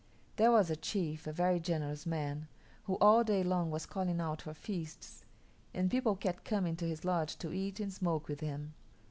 There was a chief, a very generous man, who all day long was calling out for feasts, and people kept coming to his lodge to eat and smoke with him.